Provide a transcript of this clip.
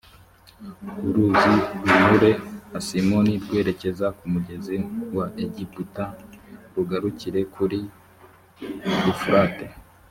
uruzi runyure asimoni rwerekeza ku mugezi wa egiputa rugarukire kuri ufurate